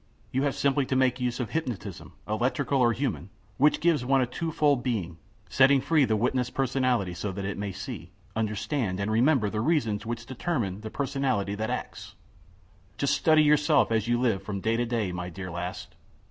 You have simply to make use of hypnotism, electrical or human, which gives one a two fold being, setting free the witness personality so that it may see, understand, and remember the reasons which determine the personality that acts. Just study yourself as you live from day to day, my dear Last.